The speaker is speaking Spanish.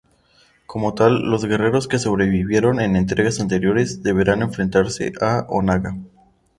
Como tal, los guerreros que sobrevivieron en entregas anteriores deberán enfrentarse a Onaga.